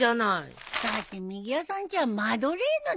だってみぎわさんちはマドレーヌだよ。